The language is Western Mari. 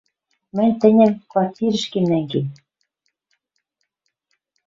Мӹнь тӹньӹм квартирӹшкем нӓнгем